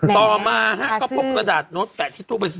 ต่อมาฮะก็พบกระดาษโน้ตแปะที่ทั่วไป